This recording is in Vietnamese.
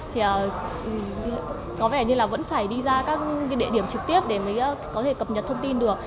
thì có vẻ như là vẫn phải đi ra các địa điểm trực tiếp để mới có thể cập nhật thông tin được